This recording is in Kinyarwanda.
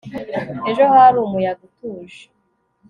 ejo hari umuyaga utuje